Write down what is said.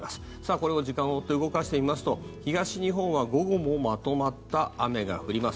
これを時間を追って動かしていきますと東日本は午後もまとまった雨が降ります。